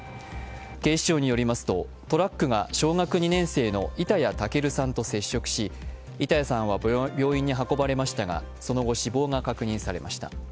警視庁によりますとトラックが小学２年生の板谷武瑠さんと接触し板谷さんは病院に運ばれましたがその後、死亡が確認されました。